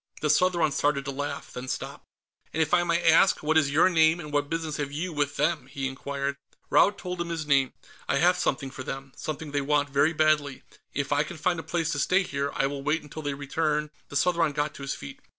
The Southron started to laugh, then stopped. "And if I may ask, what is your name, and what business have you with them?" he inquired. Raud told him his name. "I have something for them. Something they want very badly. If I can find a place to stay here, I will wait until they return " The Southron got to his feet.